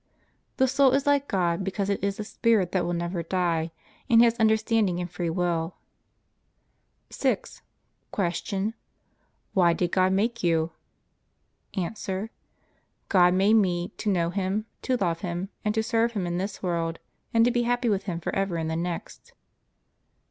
The soul is like God because it is a spirit that will never die, and has understanding and free will. 6. Q. Why did God make you? A. God made me to know Him, to love Him, and to serve Him in this world, and to be happy with Him forever in the next.